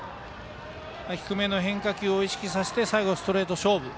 低めの変化球を意識させて最後はストレート勝負。